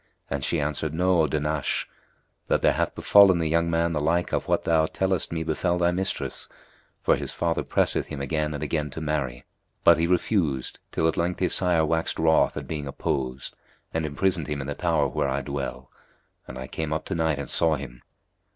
and she answered, "Know, O Dahnash, that there hath befallen the young man the like of what thou tellest me befel thy mistress; for his father pressed him again and again to marry, but he refused, till at length his sire waxed wroth at being opposed and imprisoned him in the tower where I dwell: and I came up to night and saw him."